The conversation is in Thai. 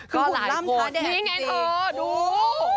ก็หล่ำทาแดดสินี่ไงเถอะดู